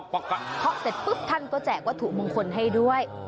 พ็อกเสร็จปึ๊บท่านก็แจกว่าถูกมึงคลให้ด้วย